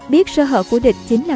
biết sơ hở của địch chính là